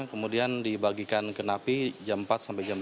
kemudian dibagikan ke napi jam empat sampai jam dua